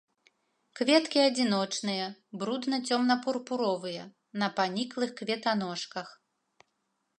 Кветкі адзіночныя, брудна-цёмна-пурпуровыя, на паніклых кветаножках.